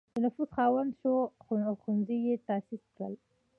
د نفوذ خاوند شو او ښوونځي یې تأسیس کړل.